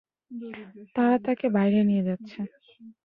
তারা তাকে বাইরে নিয়ে যাচ্ছে।